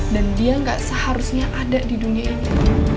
dan dia gak seharusnya ada di dunia ini